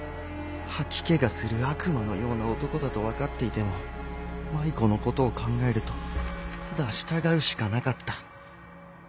吐き気がする悪魔のような男だと分かっていても麻衣子のことを考えるとただ従うしかなかった。